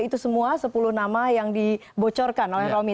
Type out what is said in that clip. itu semua sepuluh nama yang dibocorkan oleh romi